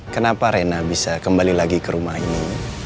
kenapa rena bisa kembali lagi ke rumah ini